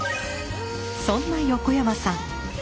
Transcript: そんな横山さん